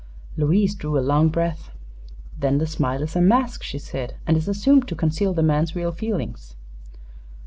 Louise drew a long breath. "Then the smile is a mask," she said, "and is assumed to conceal the man's real feelings."